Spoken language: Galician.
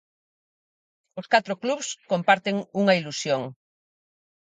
Os catro clubs comparten unha ilusión.